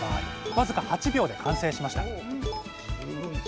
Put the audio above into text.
僅か８秒で完成しました。